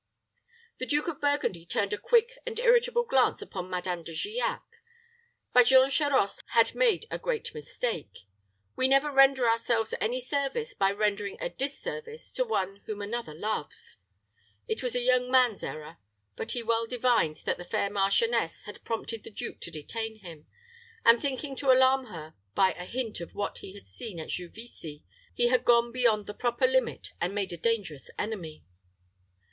The Duke of Burgundy turned a quick and irritable glance upon Madame De Giac; but Jean Charost had made a great mistake. We never render ourselves any service by rendering a disservice to one whom another loves. It was a young man's error; but he well divined that the fair marchioness had prompted the duke to detain him, and thinking to alarm her by a hint of what he had seen at Juvisy, he had gone beyond the proper limit, and made a dangerous enemy.